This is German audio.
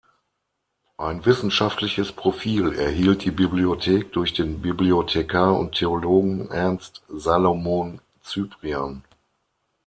Ein wissenschaftliches Profil erhielt die Bibliothek durch den Bibliothekar und Theologen Ernst Salomon Cyprian.